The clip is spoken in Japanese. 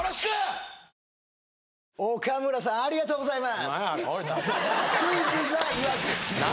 でーすありがとうございます